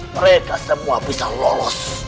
mereka semua bisa lolos